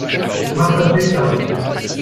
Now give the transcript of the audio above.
Mach das Licht an!